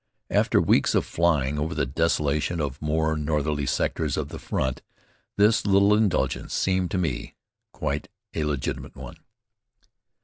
After weeks of flying over the desolation of more northerly sectors of the front, this little indulgence seemed to me quite a legitimate one.